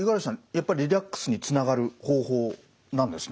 やっぱりリラックスにつながる方法なんですね？